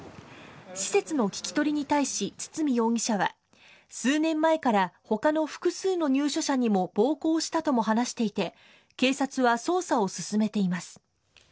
施設の聞き取りに対し、堤容疑者は、数年前からほかの複数の入所者にも暴行したとも話していて、警察は捜査を進めています。